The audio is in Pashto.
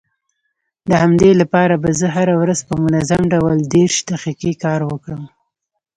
د همدې لپاره به زه هره ورځ په منظم ډول دېرش دقيقې کار وکړم.